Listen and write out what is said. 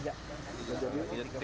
yang meninggal apa